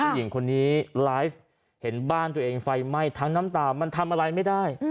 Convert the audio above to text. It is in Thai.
หญิงคนนี้ไลฟ์เห็นบ้านตัวเองไฟไหม้ทั้งน้ำตามันทำอะไรไม่ได้